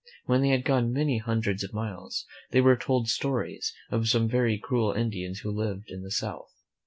When they had gone many hundreds of miles, they were told stories of some very cruel Indians who lived in the south.